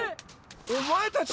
お前たち！